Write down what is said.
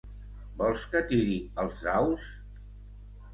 Vols que tiri els daus?